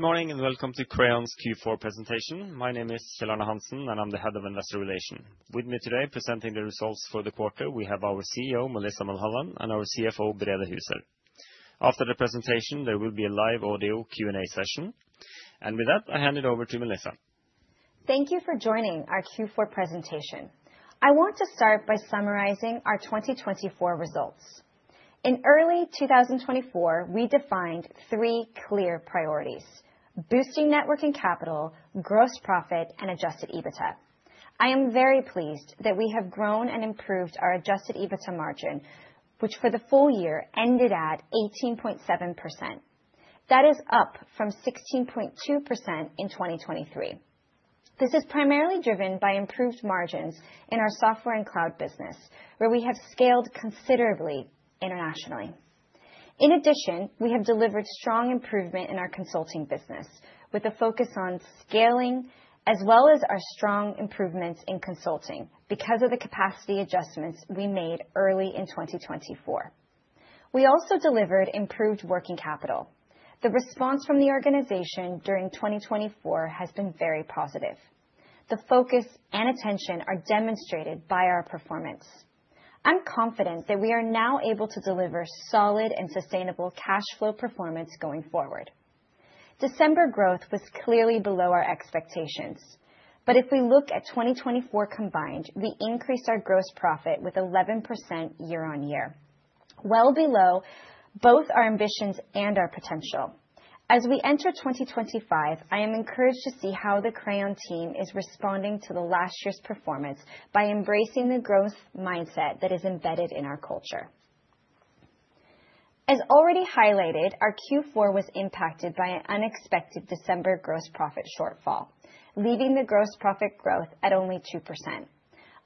Good morning and welcome to Crayon's Q4 presentation. My name is Kjell Arne Hansen, and I'm the Head of Investor Relations. With me today presenting the results for the quarter, we have our CEO, Melissa Mulholland, and our CFO, Brede Huse. After the presentation, there will be a live audio Q&A session. And with that, I hand it over to Melissa. Thank you for joining our Q4 presentation. I want to start by summarizing our 2024 results. In early 2024, we defined three clear priorities: boosting Net Working Capital, Gross Profit, and Adjusted EBITDA. I am very pleased that we have grown and improved our Adjusted EBITDA margin, which for the full year ended at 18.7%. That is up from 16.2% in 2023. This is primarily driven by improved margins in our software and cloud business, where we have scaled considerably internationally. In addition, we have delivered strong improvement in our consulting business, with a focus on scaling, as well as our strong improvements in consulting because of the capacity adjustments we made early in 2024. We also delivered improved working capital. The response from the organization during 2024 has been very positive. The focus and attention are demonstrated by our performance. I'm confident that we are now able to deliver solid and sustainable cash flow performance going forward. December growth was clearly below our expectations, but if we look at 2024 combined, we increased our gross profit with 11% year on year, well below both our ambitions and our potential. As we enter 2025, I am encouraged to see how the Crayon team is responding to last year's performance by embracing the growth mindset that is embedded in our culture. As already highlighted, our Q4 was impacted by an unexpected December gross profit shortfall, leaving the gross profit growth at only 2%.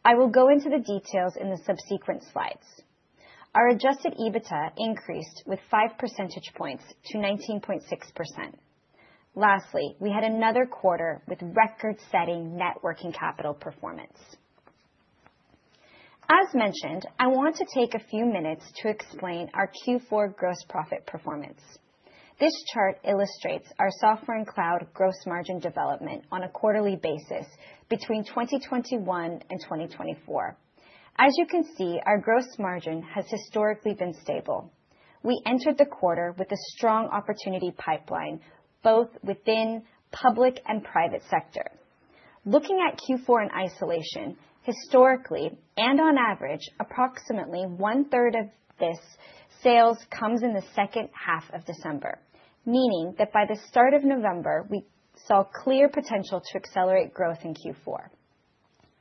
I will go into the details in the subsequent slides. Our Adjusted EBITDA increased with five percentage points to 19.6%. Lastly, we had another quarter with record-setting Net Working Capital performance. As mentioned, I want to take a few minutes to explain our Q4 gross profit performance. This chart illustrates our software and cloud gross margin development on a quarterly basis between 2021 and 2024. As you can see, our gross margin has historically been stable. We entered the quarter with a strong opportunity pipeline, both within public and private sector. Looking at Q4 in isolation, historically and on average, approximately one-third of this sales comes in the second half of December, meaning that by the start of November, we saw clear potential to accelerate growth in Q4.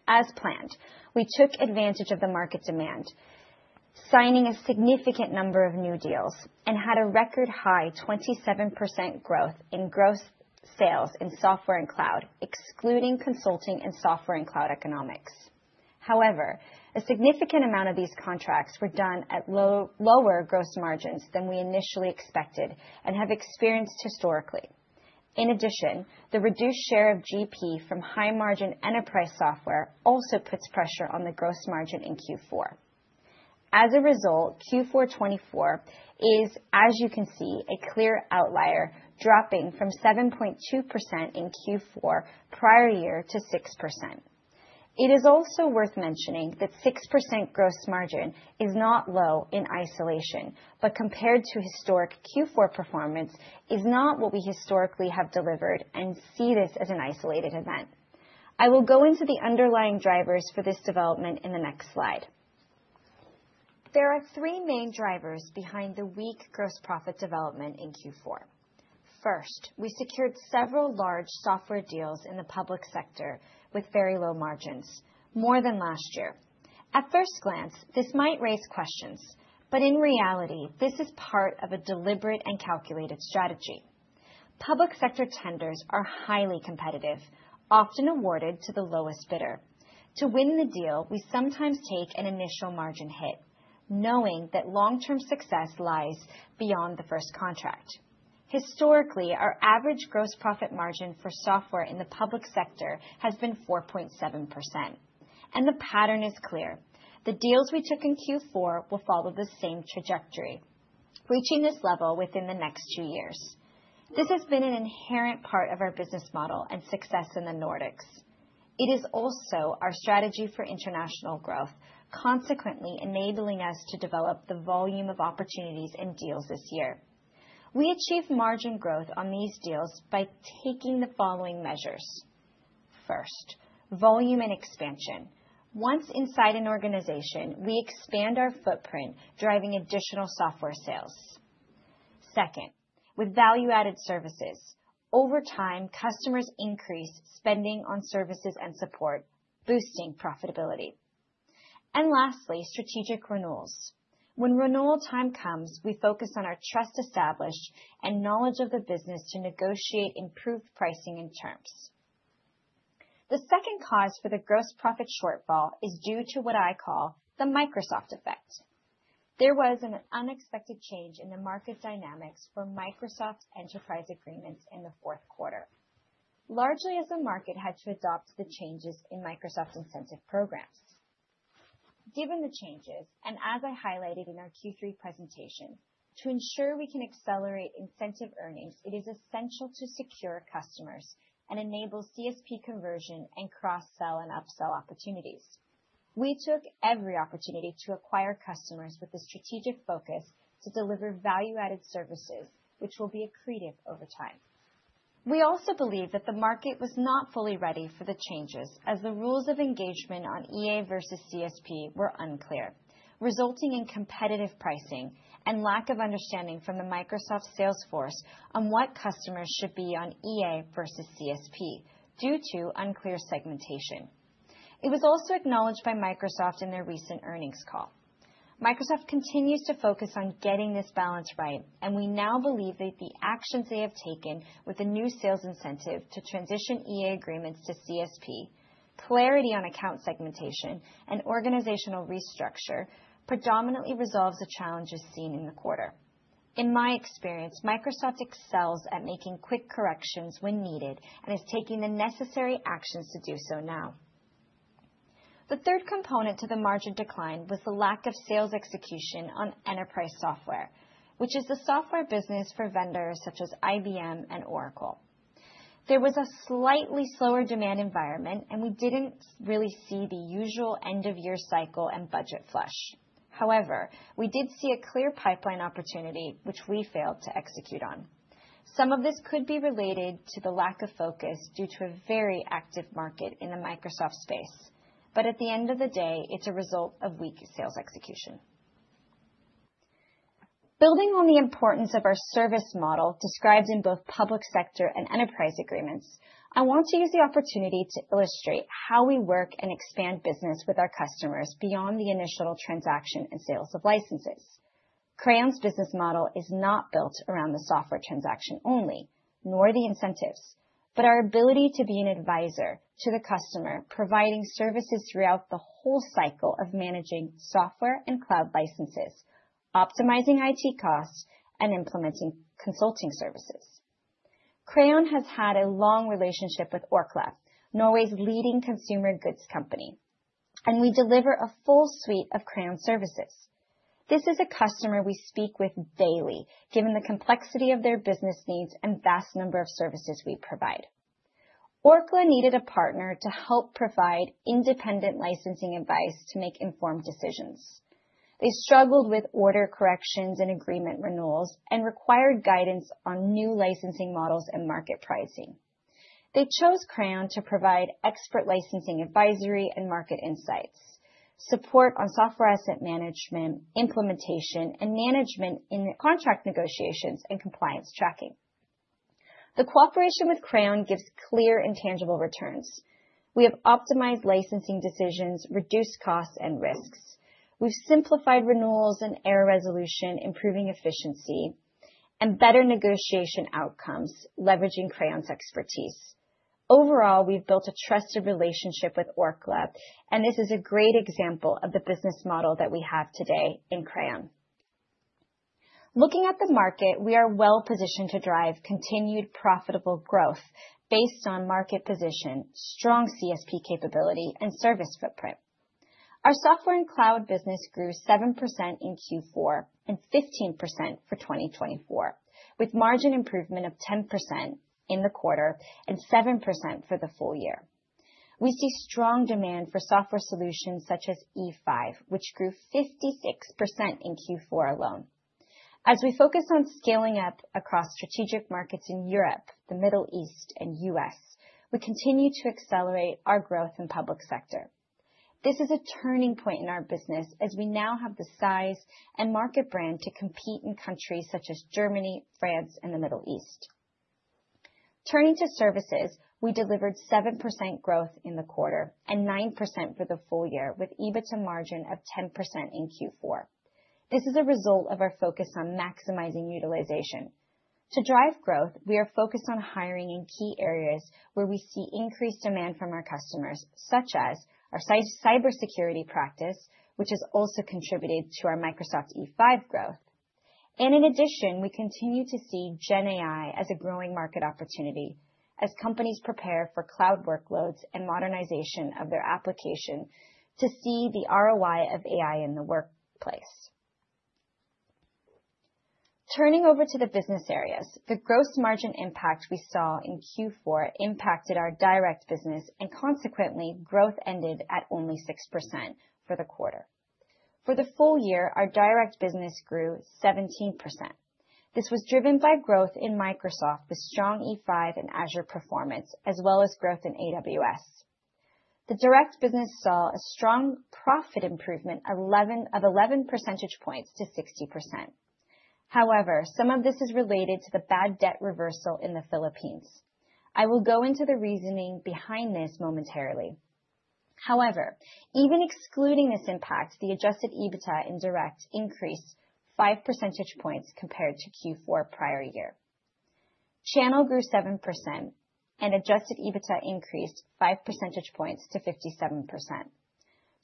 As planned, we took advantage of the market demand, signing a significant number of new deals, and had a record high 27% growth in gross sales in software and cloud, excluding consulting and software and cloud economics. However, a significant amount of these contracts were done at lower gross margins than we initially expected and have experienced historically. In addition, the reduced share of GP from high-margin enterprise software also puts pressure on the gross margin in Q4. As a result, Q4 2024 is, as you can see, a clear outlier, dropping from 7.2% in Q4 prior year to 6%. It is also worth mentioning that 6% gross margin is not low in isolation, but compared to historic Q4 performance, is not what we historically have delivered and see this as an isolated event. I will go into the underlying drivers for this development in the next slide. There are three main drivers behind the weak gross profit development in Q4. First, we secured several large software deals in the public sector with very low margins, more than last year. At first glance, this might raise questions, but in reality, this is part of a deliberate and calculated strategy. Public sector tenders are highly competitive, often awarded to the lowest bidder. To win the deal, we sometimes take an initial margin hit, knowing that long-term success lies beyond the first contract. Historically, our average gross profit margin for software in the public sector has been 4.7%, and the pattern is clear. The deals we took in Q4 will follow the same trajectory, reaching this level within the next two years. This has been an inherent part of our business model and success in the Nordics. It is also our strategy for international growth, consequently enabling us to develop the volume of opportunities and deals this year. We achieve margin growth on these deals by taking the following measures. First, volume and expansion. Once inside an organization, we expand our footprint, driving additional software sales. Second, with value-added services. Over time, customers increase spending on services and support, boosting profitability. Lastly, strategic renewals. When renewal time comes, we focus on our trust established and knowledge of the business to negotiate improved pricing and terms. The second cause for the gross profit shortfall is due to what I call the Microsoft effect. There was an unexpected change in the market dynamics for Microsoft enterprise agreements in the fourth quarter, largely as the market had to adopt the changes in Microsoft incentive programs. Given the changes, and as I highlighted in our Q3 presentation, to ensure we can accelerate incentive earnings, it is essential to secure customers and enable CSP conversion and cross-sell and upsell opportunities. We took every opportunity to acquire customers with a strategic focus to deliver value-added services, which will be accretive over time. We also believe that the market was not fully ready for the changes, as the rules of engagement on EA versus CSP were unclear, resulting in competitive pricing and lack of understanding from the Microsoft sales force on what customers should be on EA versus CSP due to unclear segmentation. It was also acknowledged by Microsoft in their recent earnings call. Microsoft continues to focus on getting this balance right, and we now believe that the actions they have taken with the new sales incentive to transition EA agreements to CSP, clarity on account segmentation, and organizational restructure predominantly resolves the challenges seen in the quarter. In my experience, Microsoft excels at making quick corrections when needed and is taking the necessary actions to do so now. The third component to the margin decline was the lack of sales execution on enterprise software, which is the software business for vendors such as IBM and Oracle. There was a slightly slower demand environment, and we didn't really see the usual end-of-year cycle and budget flush. However, we did see a clear pipeline opportunity, which we failed to execute on. Some of this could be related to the lack of focus due to a very active market in the Microsoft space, but at the end of the day, it's a result of weak sales execution. Building on the importance of our service model described in both public sector and enterprise agreements, I want to use the opportunity to illustrate how we work and expand business with our customers beyond the initial transaction and sales of licenses. Crayon's business model is not built around the software transaction only, nor the incentives, but our ability to be an advisor to the customer, providing services throughout the whole cycle of managing software and cloud licenses, optimizing IT costs, and implementing consulting services. Crayon has had a long relationship with Orkla, Norway's leading consumer goods company, and we deliver a full suite of Crayon services. This is a customer we speak with daily, given the complexity of their business needs and vast number of services we provide. Orkla needed a partner to help provide independent licensing advice to make informed decisions. They struggled with order corrections and agreement renewals and required guidance on new licensing models and market pricing. They chose Crayon to provide expert licensing advisory and market insights, support on software asset management, implementation, and management in contract negotiations and compliance tracking. The cooperation with Crayon gives clear and tangible returns. We have optimized licensing decisions, reduced costs and risks. We've simplified renewals and error resolution, improving efficiency and better negotiation outcomes, leveraging Crayon's expertise. Overall, we've built a trusted relationship with Orkla, and this is a great example of the business model that we have today in Crayon. Looking at the market, we are well positioned to drive continued profitable growth based on market position, strong CSP capability, and service footprint. Our software and cloud business grew 7% in Q4 and 15% for 2024, with margin improvement of 10% in the quarter and 7% for the full year. We see strong demand for software solutions such as E5, which grew 56% in Q4 alone. As we focus on scaling up across strategic markets in Europe, the Middle East, and the US, we continue to accelerate our growth in the public sector. This is a turning point in our business as we now have the size and market brand to compete in countries such as Germany, France, and the Middle East. Turning to services, we delivered 7% growth in the quarter and 9% for the full year, with EBITDA margin of 10% in Q4. This is a result of our focus on maximizing utilization. To drive growth, we are focused on hiring in key areas where we see increased demand from our customers, such as our cybersecurity practice, which has also contributed to our Microsoft E5 growth, and in addition, we continue to see GenAI as a growing market opportunity as companies prepare for cloud workloads and modernization of their application to see the ROI of AI in the workplace. Turning over to the business areas, the gross margin impact we saw in Q4 impacted our direct business, and consequently, growth ended at only 6% for the quarter. For the full year, our direct business grew 17%. This was driven by growth in Microsoft with strong E5 and Azure performance, as well as growth in AWS. The direct business saw a strong profit improvement of 11 percentage points to 60%. However, some of this is related to the bad debt reversal in the Philippines. I will go into the reasoning behind this momentarily. However, even excluding this impact, the Adjusted EBITDA in direct increased 5 percentage points compared to Q4 prior year. Channel grew 7%, and Adjusted EBITDA increased 5 percentage points to 57%.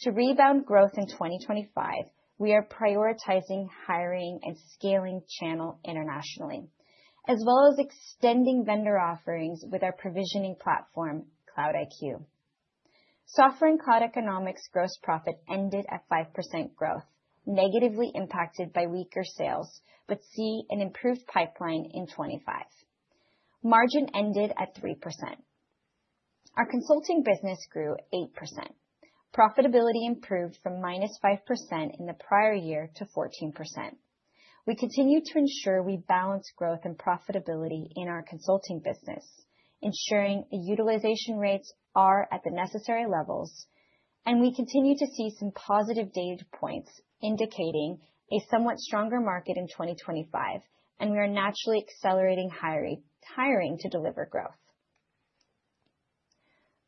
To rebound growth in 2025, we are prioritizing hiring and scaling channel internationally, as well as extending vendor offerings with our provisioning platform, CloudIQ. Software and Cloud Economics gross profit ended at 5% growth, negatively impacted by weaker sales, but see an improved pipeline in 2025. Margin ended at 3%. Our consulting business grew 8%. Profitability improved from minus 5% in the prior year to 14%. We continue to ensure we balance growth and profitability in our consulting business, ensuring the utilization rates are at the necessary levels, and we continue to see some positive data points indicating a somewhat stronger market in 2025, and we are naturally accelerating hiring to deliver growth.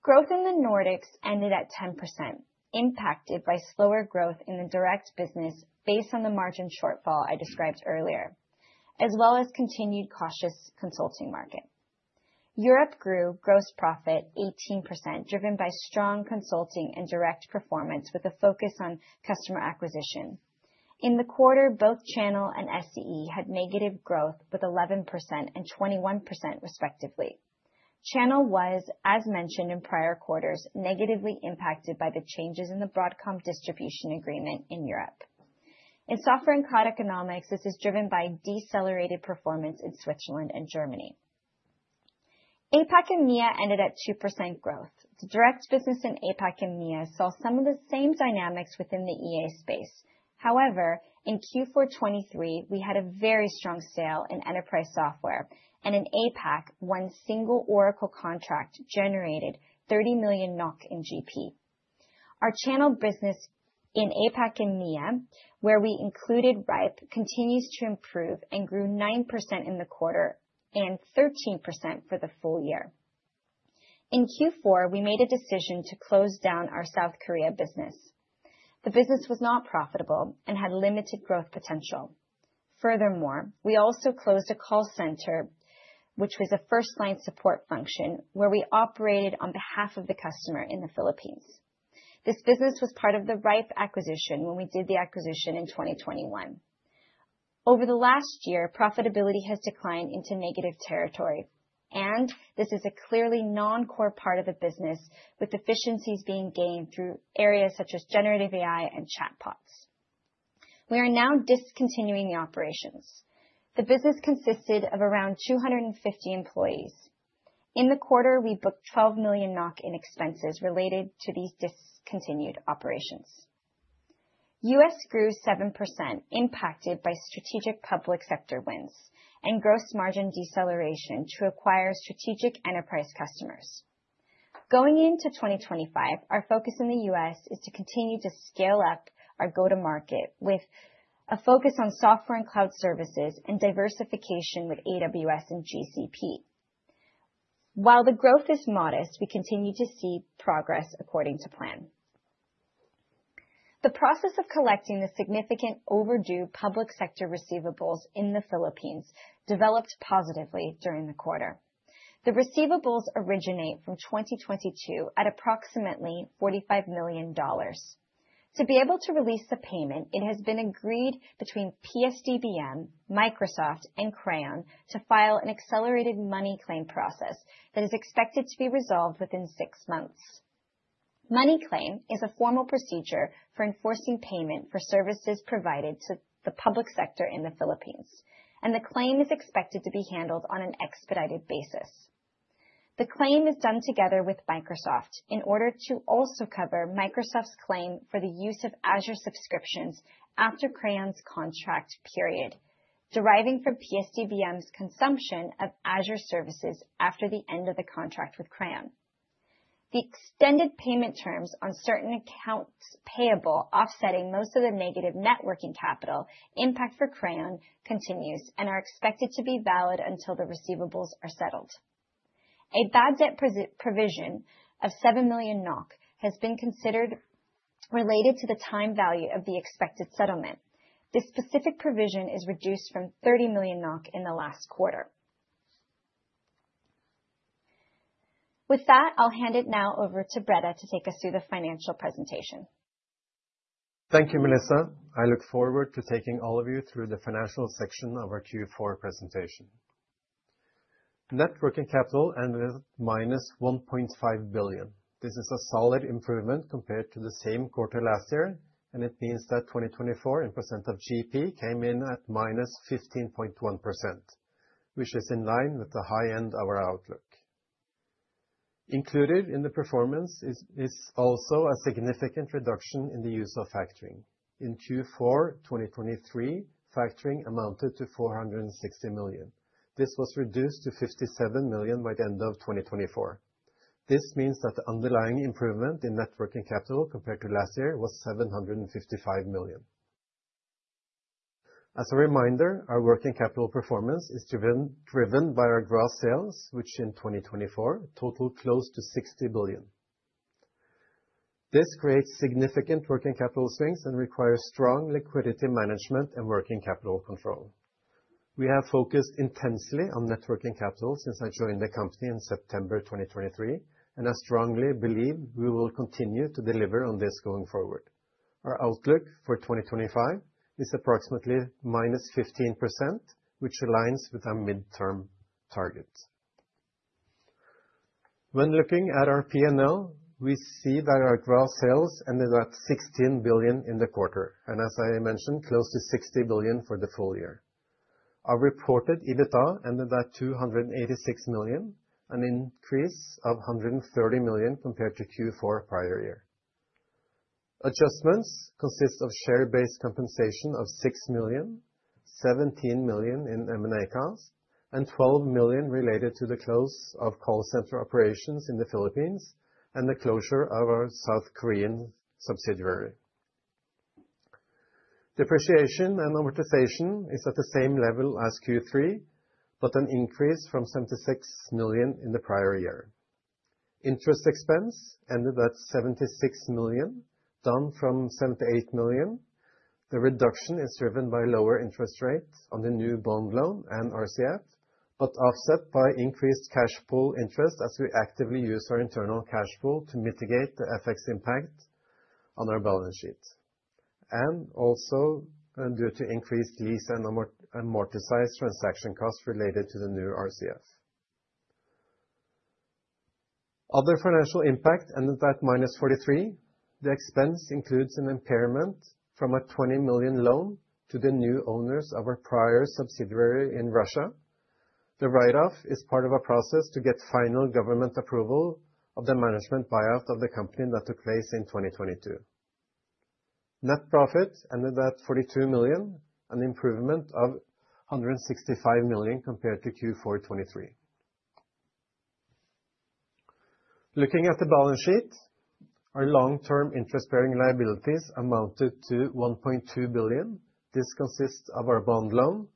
Growth in the Nordics ended at 10%, impacted by slower growth in the direct business based on the margin shortfall I described earlier, as well as continued cautious consulting market. Europe grew gross profit 18%, driven by strong consulting and direct performance with a focus on customer acquisition. In the quarter, both channel and SCE had negative growth with 11% and 21%, respectively. Channel was, as mentioned in prior quarters, negatively impacted by the changes in the Broadcom distribution agreement in Europe. In software and cloud economics, this is driven by decelerated performance in Switzerland and Germany. APAC and MEA ended at 2% growth. The direct business in APAC and MEA saw some of the same dynamics within the EA space. However, in Q4 2023, we had a very strong sale in enterprise software, and in APAC, one single Oracle contract generated 30 million NOK in GP. Our channel business in APAC and MEA, where we included Rhipe, continues to improve and grew 9% in the quarter and 13% for the full year. In Q4, we made a decision to close down our South Korea business. The business was not profitable and had limited growth potential. Furthermore, we also closed a call center, which was a first-line support function where we operated on behalf of the customer in the Philippines. This business was part of the Rhipe acquisition when we did the acquisition in 2021. Over the last year, profitability has declined into negative territory, and this is a clearly non-core part of the business, with efficiencies being gained through areas such as generative AI and chatbots. We are now discontinuing the operations. The business consisted of around 250 employees. In the quarter, we booked 12 million NOK in expenses related to these discontinued operations. US grew 7%, impacted by strategic public sector wins and gross margin deceleration to acquire strategic enterprise customers. Going into 2025, our focus in the US is to continue to scale up our go-to-market with a focus on software and cloud services and diversification with AWS and GCP. While the growth is modest, we continue to see progress according to plan. The process of collecting the significant overdue public sector receivables in the Philippines developed positively during the quarter. The receivables originate from 2022 at approximately $45 million. To be able to release the payment, it has been agreed between PS-DBM, Microsoft, and Crayon to file an accelerated money claim process that is expected to be resolved within six months. Money claim is a formal procedure for enforcing payment for services provided to the public sector in the Philippines, and the claim is expected to be handled on an expedited basis. The claim is done together with Microsoft in order to also cover Microsoft's claim for the use of Azure subscriptions after Crayon's contract period, deriving from PS-DBM's consumption of Azure services after the end of the contract with Crayon. The extended payment terms on certain accounts payable, offsetting most of the negative Networking Capital impact for Crayon, continues and are expected to be valid until the receivables are settled. A bad debt provision of 7 million NOK has been considered related to the time value of the expected settlement. This specific provision is reduced from 30 million NOK in the last quarter. With that, I'll hand it now over to Brede to take us through the financial presentation. Thank you, Melissa. I look forward to taking all of you through the financial section of our Q4 presentation. Networking Capital ended at minus 1.5 billion. This is a solid improvement compared to the same quarter last year, and it means that 2024 in % of GP came in at minus 15.1%, which is in line with the high end of our outlook. Included in the performance is also a significant reduction in the use of factoring. In Q4 2023, factoring amounted to 460 million. This was reduced to 57 million by the end of 2024. This means that the underlying improvement in net working capital compared to last year was 755 million. As a reminder, our working capital performance is driven by our gross sales, which in 2024 totaled close to 60 billion. This creates significant working capital swings and requires strong liquidity management and working capital control. We have focused intensely on net working capital since I joined the company in September 2023, and I strongly believe we will continue to deliver on this going forward. Our outlook for 2025 is approximately minus 15%, which aligns with our midterm target. When looking at our P&L, we see that our gross sales ended at 16 billion in the quarter, and as I mentioned, close to 60 billion for the full year. Our reported EBITDA ended at 286 million, an increase of 130 million compared to Q4 prior year. Adjustments consist of share-based compensation of 6 million, 17 million in M&A costs, and 12 million related to the close of call center operations in the Philippines and the closure of our South Korean subsidiary. Depreciation and amortization is at the same level as Q3, but an increase from 76 million in the prior year. Interest expense ended at 76 million, down from 78 million. The reduction is driven by lower interest rates on the new bond loan and RCF, but offset by increased cash pool interest as we actively use our internal cash pool to mitigate the FX impact on our balance sheet, and also due to increased lease and amortized transaction costs related to the new RCF. Other financial impact ended at minus 43 million. The expense includes an impairment from a 20 million loan to the new owners of our prior subsidiary in Russia. The write-off is part of a process to get final government approval of the management buyout of the company that took place in 2022. Net profit ended at 42 million, an improvement of 165 million compared to Q4 2023. Looking at the balance sheet, our long-term interest-bearing liabilities amounted to 1.2 billion. This consists of our bond loan.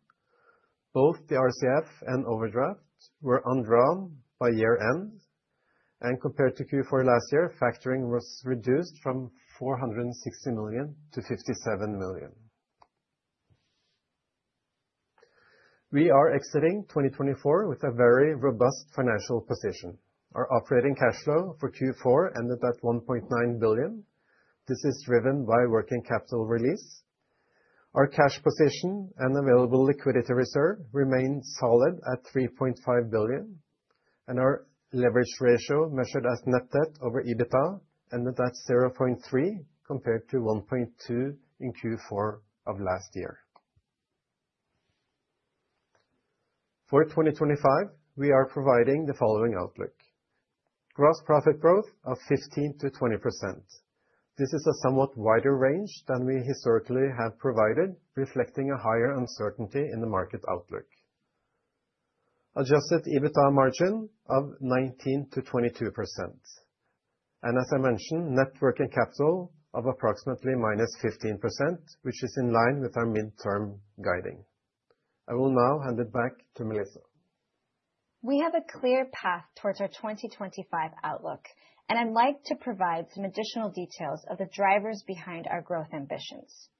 Both the RCF and overdraft were undrawn by year-end, and compared to Q4 last year, factoring was reduced from 460 million to 57 million. We are exiting 2024 with a very robust financial position. Our operating cash flow for Q4 ended at 1.9 billion. This is driven by working capital release. Our cash position and available liquidity reserve remain solid at 3.5 billion, and our leverage ratio measured as net debt over EBITDA ended at 0.3 compared to 1.2 in Q4 of last year. For 2025, we are providing the following outlook: gross profit growth of 15%-20%. This is a somewhat wider range than we historically have provided, reflecting a higher uncertainty in the market outlook. Adjusted EBITDA margin of 19%-22%. And as I mentioned, Networking Capital of approximately -15%, which is in line with our midterm guiding. I will now hand it back to Melissa. We have a clear path towards our 2025 outlook, and I'd like to provide some additional details of the drivers behind our growth ambitions.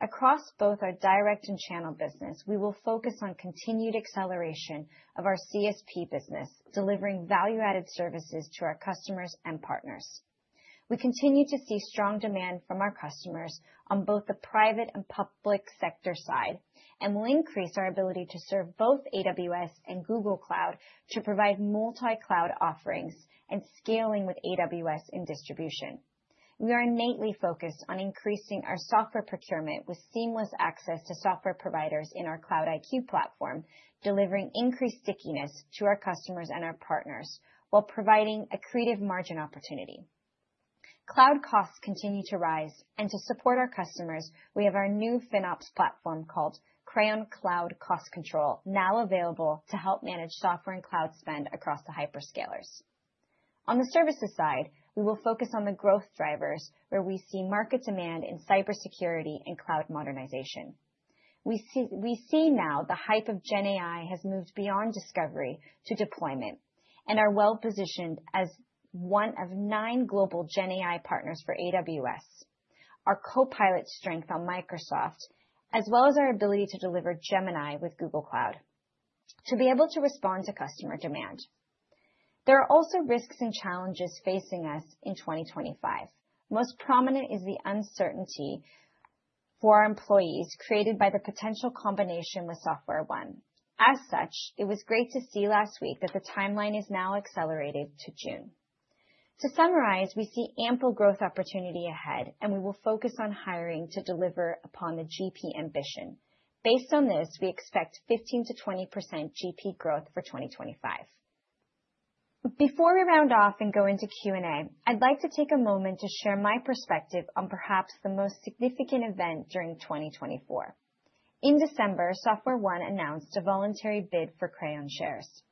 Across both our direct and channel business, we will focus on continued acceleration of our CSP business, delivering value-added services to our customers and partners. We continue to see strong demand from our customers on both the private and public sector side, and we'll increase our ability to serve both AWS and Google Cloud to provide multi-cloud offerings and scaling with AWS in distribution. We are innately focused on increasing our software procurement with seamless access to software providers in our CloudIQ platform, delivering increased stickiness to our customers and our partners while providing a creative margin opportunity. Cloud costs continue to rise, and to support our customers, we have our new FinOps platform called Crayon Cloud Cost Control, now available to help manage software and cloud spend across the hyperscalers. On the services side, we will focus on the growth drivers, where we see market demand in cybersecurity and cloud modernization. We see now the hype of GenAI has moved beyond discovery to deployment, and are well-positioned as one of nine global GenAI partners for AWS, our Copilot strength on Microsoft, as well as our ability to deliver Gemini with Google Cloud, to be able to respond to customer demand. There are also risks and challenges facing us in 2025. Most prominent is the uncertainty for our employees created by the potential combination with SoftwareOne. As such, it was great to see last week that the timeline is now accelerated to June. To summarize, we see ample growth opportunity ahead, and we will focus on hiring to deliver upon the GP ambition. Based on this, we expect 15%-20% GP growth for 2025. Before we round off and go into Q&A, I'd like to take a moment to share my perspective on perhaps the most significant event during 2024. In December, SoftwareOne announced a voluntary bid for Crayon shares.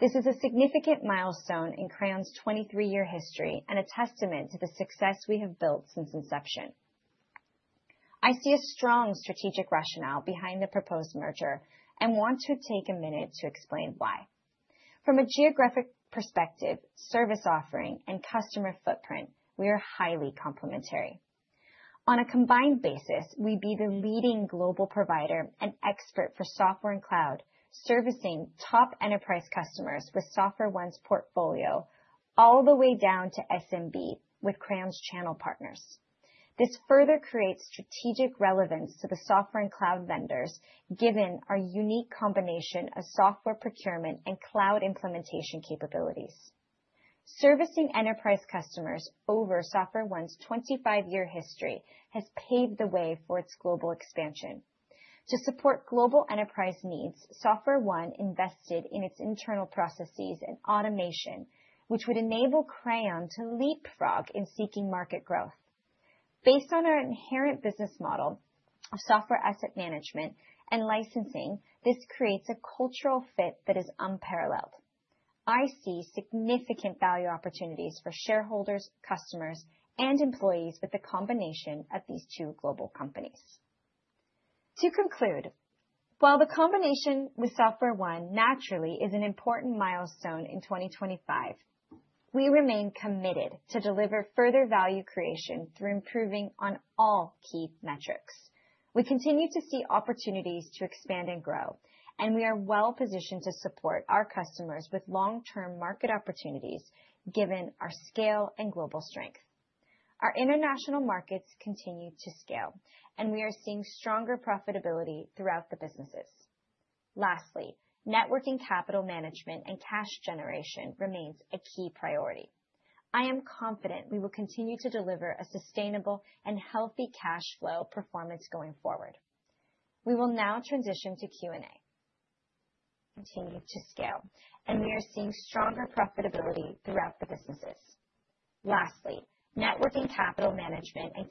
This is a significant milestone in Crayon's 23-year history and a testament to the success we have built since inception. I see a strong strategic rationale behind the proposed merger and want to take a minute to explain why. From a geographic perspective, service offering, and customer footprint, we are highly complementary. On a combined basis, we'd be the leading global provider and expert for software and cloud, servicing top enterprise customers with SoftwareOne's portfolio, all the way down to SMB with Crayon's channel partners. This further creates strategic relevance to the software and cloud vendors, given our unique combination of software procurement and cloud implementation capabilities. Servicing enterprise customers over SoftwareOne's 25-year history has paved the way for its global expansion. To support global enterprise needs, SoftwareOne invested in its internal processes and automation, which would enable Crayon to leapfrog in seeking market growth. Based on our inherent business model of software asset management and licensing, this creates a cultural fit that is unparalleled. I see significant value opportunities for shareholders, customers, and employees with the combination of these two global companies. To conclude, while the combination with SoftwareOne naturally is an important milestone in 2025, we remain committed to deliver further value creation through improving on all key metrics. We continue to see opportunities to expand and grow, and we are well-positioned to support our customers with long-term market opportunities, given our scale and global strength. Our international markets continue to scale, and we are seeing stronger profitability throughout the businesses. Lastly, Networking Capital management and cash generation remains a key priority. I am confident we will continue to deliver a sustainable and healthy cash flow performance going forward. We will now transition to Q&A. Thank you, for asking the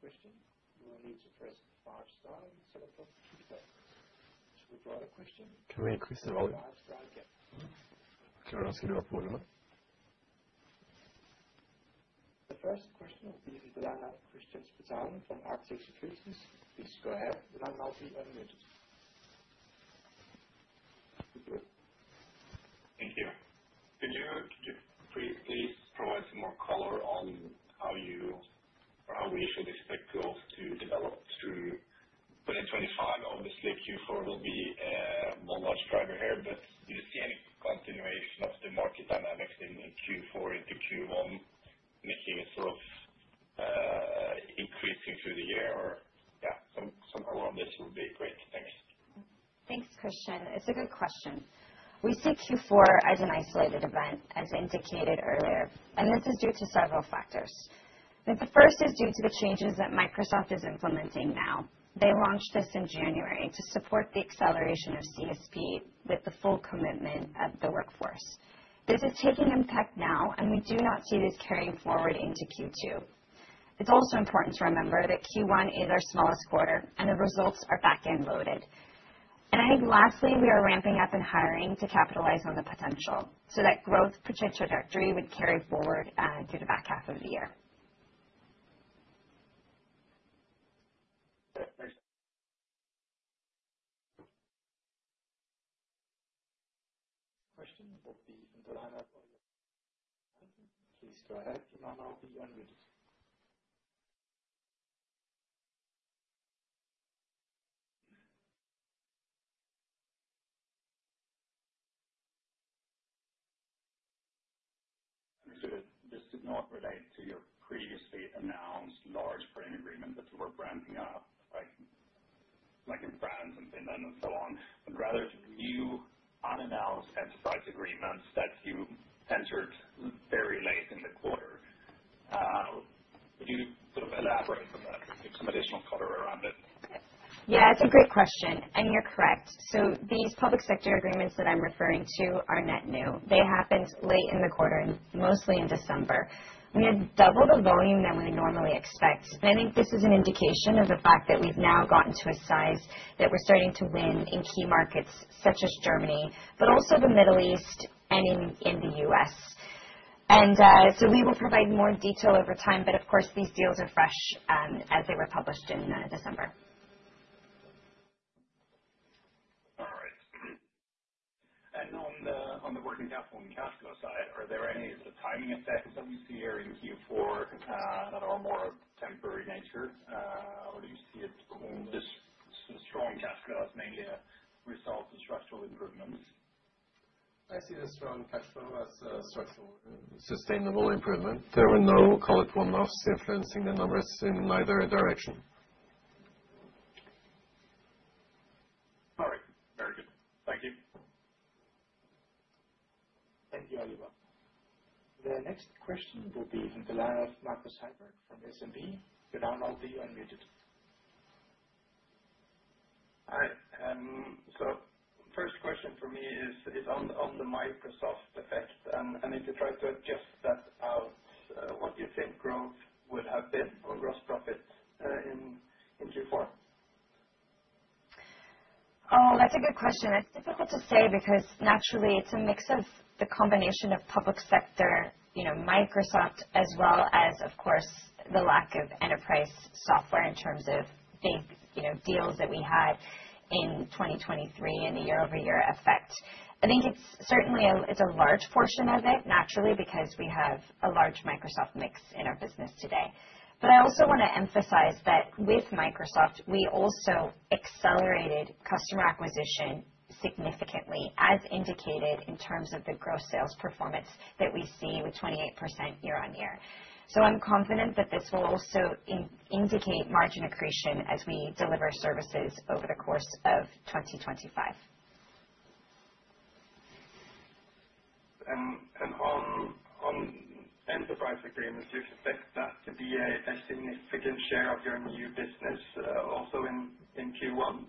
question. We will need to press the five starring setup of two seconds. Shall we try the question? Can we increase the volume? Can we ask you to upload it? The first question will be Christian's question from Arctic Securities. Please go ahead. Christian will be unmuted. Thank you. Could you please provide some more color on how you or how we should expect growth to develop through 2025? Obviously, Q4 will be a larger driver here, but do you see any continuation of the market dynamics in Q4 into Q1, making it sort of increasing through the year? Or yeah, some color on this would be great. Thanks. Thanks, Christian. It's a good question. We see Q4 as an isolated event, as indicated earlier, and this is due to several factors. The first is due to the changes that Microsoft is implementing now. They launched this in January to support the acceleration of CSP with the full commitment of the workforce. This is taking impact now, and we do not see this carrying forward into Q2. It's also important to remember that Q1 is our smallest quarter, and the results are back-end loaded. And I think lastly, we are ramping up in hiring to capitalize on the potential so that growth trajectory would carry forward through the back half of the year. Question will be David Allemann for you. Please go ahead. David Allemann will be unmuted. This did not relate to your previously announced large-frame agreement that you were ramping up, like in France and Finland and so on, but rather to new unannounced enterprise agreements that you entered very late in the quarter. Could you sort of elaborate on that? Give some additional color around it? Yeah, it's a great question, and you're correct. So these public sector agreements that I'm referring to are net new. They happened late in the quarter, mostly in December. We had doubled the volume than we normally expect, and I think this is an indication of the fact that we've now gotten to a size that we're starting to win in key markets such as Germany, but also the Middle East and in the US. And so we will provide more detail over time, but of course, these deals are fresh as they were published in December. All right. And on the working capital and cash flow side, are there any timing effects that we see here in Q4 that are more of a temporary nature, or do you see it strong cash flow as mainly a result of structural improvements? I see a strong cash flow as a structural improvement. Sustainable improvement. There were no colored corners influencing the numbers in either direction. All right. Very good. Thank you. Thank you, Olivier. The next question will be from Dylan Allen Marcus-Hyberg from SEB. Dylan Allen will be unmuted. \ Hi. So first question for me is on the Microsoft effect, and if you try to adjust that out, what do you think growth would have been or gross profit in Q4? Oh, that's a good question. It's difficult to say because naturally, it's a mix of the combination of public sector, Microsoft, as well as, of course, the lack of enterprise software in terms of big deals that we had in 2023 and the year-over-year effect. I think it's certainly a large portion of it, naturally, because we have a large Microsoft mix in our business today. But I also want to emphasize that with Microsoft, we also accelerated customer acquisition significantly, as indicated in terms of the gross sales performance that we see with 28% year-on-year. So I'm confident that this will also indicate margin accretion as we deliver services over the course of 2025. And on enterprise agreements, do you suspect that to be a significant share of your new business also in Q1?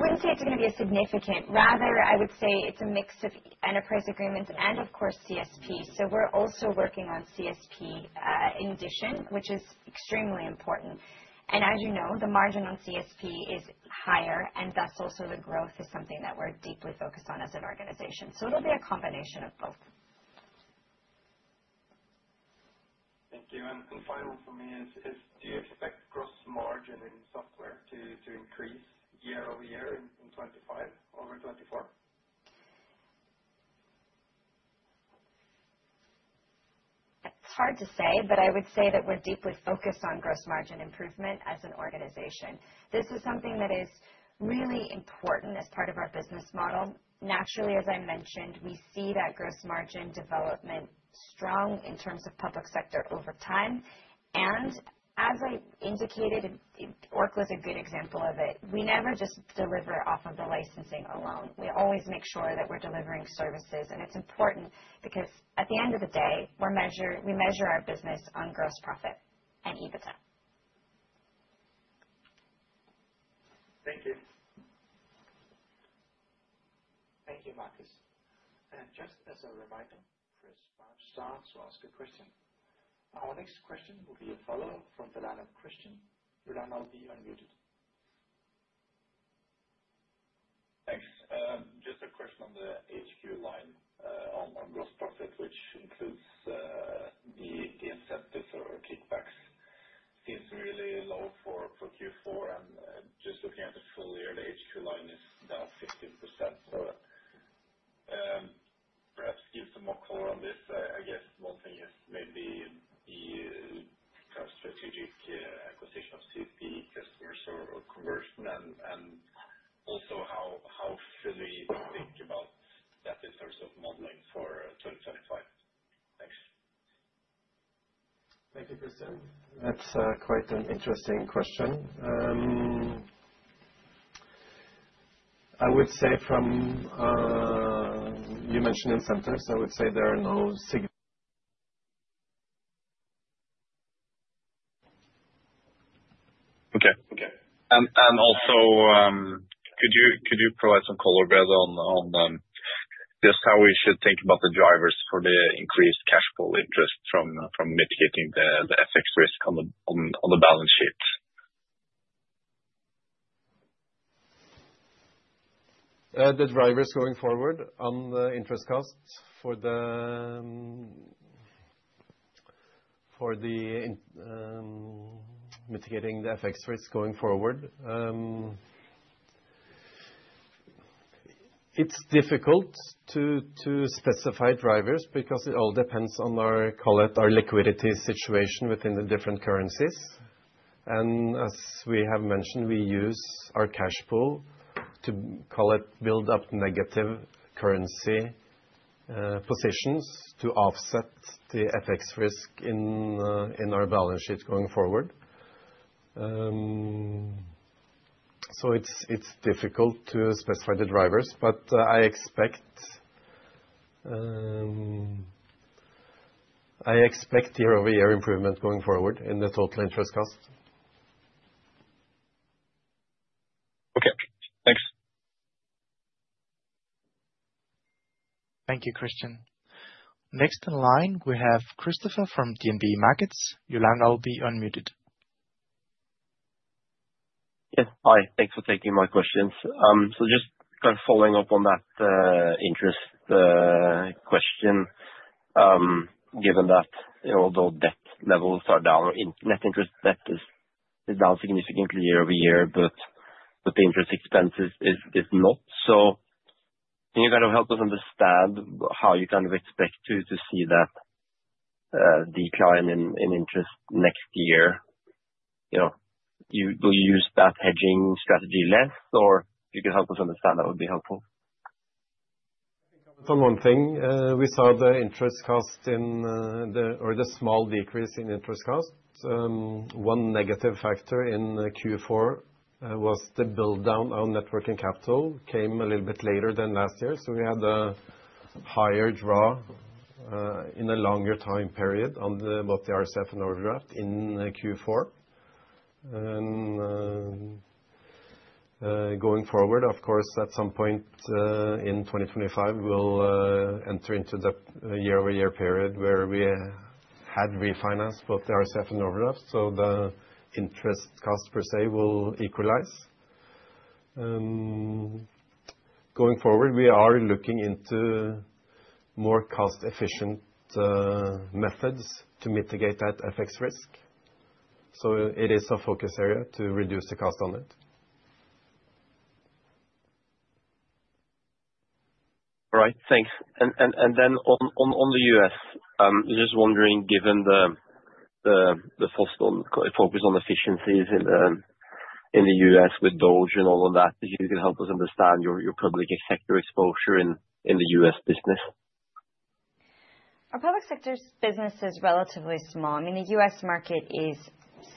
I wouldn't say it's going to be a significant. Rather, I would say it's a mix of enterprise agreements and, of course, CSP. So we're also working on CSP in addition, which is extremely important. And as you know, the margin on CSP is higher, and thus also the growth is something that we're deeply focused on as an organization. So it'll be a combination of both. Thank you. And final for me is, do you expect gross margin in software to increase year-over-year in 2025 over 2024? It's hard to say, but I would say that we're deeply focused on gross margin improvement as an organization. This is something that is really important as part of our business model. Naturally, as I mentioned, we see that gross margin development strong in terms of public sector over time. And as I indicated, Oracle is a good example of it. We never just deliver off of the licensing alone. We always make sure that we're delivering services. And it's important because at the end of the day, we measure our business on gross profit and EBITDA. Thank you. Thank you, Marcus. And just as a reminder, press star to ask a question. Our next question will be a follow-up from Dylan Allen Christian. Dylan Allen will be unmuted. Thanks. Just a question on the HQ line on gross profit, which includes the incentives or kickbacks. Seems really low for Q4, and just looking at the full year, the HQ line is down 15%. So perhaps give some more color on this. I guess one thing is maybe the kind of strategic acquisition of CSP customers or conversion and also how fully you think about that in terms of modeling for 2025. Thanks. Thank you, Christian. That's quite an interesting question. I would say from what you mentioned incentives, I would say there are no signals. Okay. Okay. And also, could you provide some color on just how we should think about the drivers for the increased cash flow interest from mitigating the FX risk on the balance sheet? The drivers going forward on the interest cost for mitigating the FX risk going forward. It's difficult to specify drivers because it all depends on our liquidity situation within the different currencies. And as we have mentioned, we use our cash pool to build up negative currency positions to offset the FX risk in our balance sheet going forward. So it's difficult to specify the drivers, but I expect year-over-year improvement going forward in the total interest cost. Okay. Thanks. Thank you, Christian. Next in line, we have Christopher from DNB Markets. Dylan Allen will be unmuted. Yes. Hi. Thanks for taking my questions. So just kind of following up on that interest question, given that although debt levels are down, net interest debt is down significantly year-over-year, but the interest expense is not. So can you kind of help us understand how you kind of expect to see that decline in interest next year? Will you use that hedging strategy less, or if you can help us understand, that would be helpful. I think I'll return one thing. We saw the interest cost or the small decrease in interest cost. One negative factor in Q4 was the build-up of Networking Capital came a little bit later than last year. So we had a higher draw in a longer time period on both the RCF and overdraft in Q4. Going forward, of course, at some point in 2025, we'll enter into the year-over-year period where we had refinanced both the RCF and overdraft, so the interest cost per se will equalize. Going forward, we are looking into more cost-efficient methods to mitigate that FX risk. So it is a focus area to reduce the cost on it. All right. Thanks. And then on the U.S., just wondering, given the focus on efficiencies in the U.S. with DOGE and all of that, if you can help us understand your public sector exposure in the U.S. business. Our public sector business is relatively small. I mean, the U.S. market is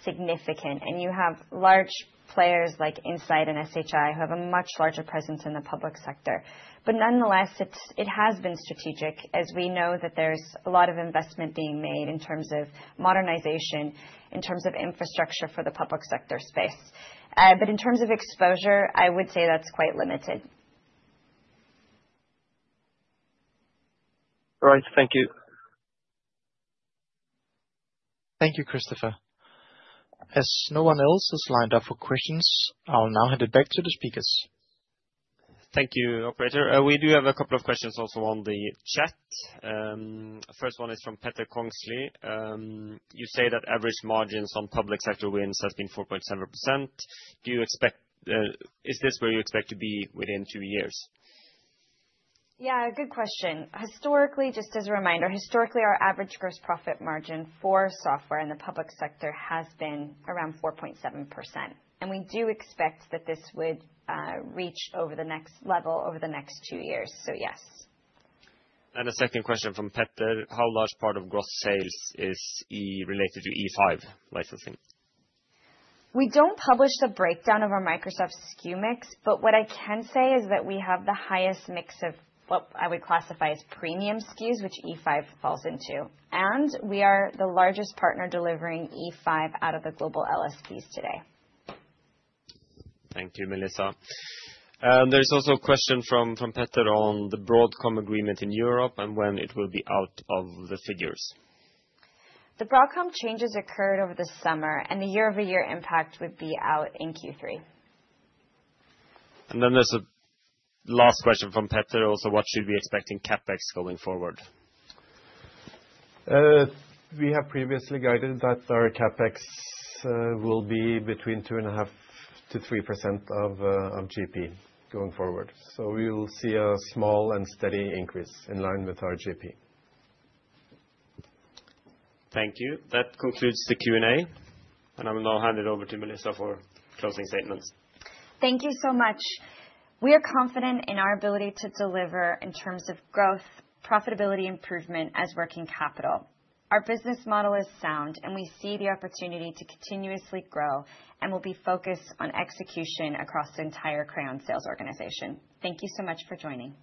significant, and you have large players like Insight and SHI who have a much larger presence in the public sector. But nonetheless, it has been strategic as we know that there's a lot of investment being made in terms of modernization, in terms of infrastructure for the public sector space. But in terms of exposure, I would say that's quite limited. All right. Thank you. Thank you, Christopher. As no one else has lined up for questions, I'll now hand it back to the speakers. Thank you, Operator. We do have a couple of questions also on the chat. First one is from Petter Kongslie. You say that average margins on public sector wins have been 4.7%. Is this where you expect to be within two years? Yeah, good question. Just as a reminder, historically, our average gross profit margin for software in the public sector has been around 4.7%. And we do expect that this would reach over the next level over the next two years. So yes. A second question from Petter. How large part of gross sales is related to E5 licensing? We don't publish the breakdown of our Microsoft SKU mix, but what I can say is that we have the highest mix of what I would classify as premium SKUs, which E5 falls into. And we are the largest partner delivering E5 out of the global LSPs today. Thank you, Melissa. And there's also a question from Petter on the Broadcom agreement in Europe and when it will be out of the figures. The Broadcom changes occurred over the summer, and the year-over-year impact would be out in Q3. And then there's a last question from Petter also. What should we expect in CapEx going forward? We have previously guided that our CapEx will be between 2.5%-3% of GP going forward. We will see a small and steady increase in line with our GP. Thank you. That concludes the Q&A, and I will now hand it over to Melissa for closing statements. Thank you so much. We are confident in our ability to deliver in terms of growth, profitability, and improvement in working capital. Our business model is sound, and we see the opportunity to continuously grow and will be focused on execution across the entire Crayon sales organization. Thank you so much for joining.